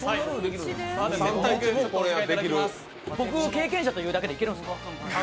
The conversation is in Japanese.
僕経験者というだけでいけるんですか。